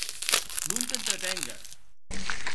Non t’entretengues.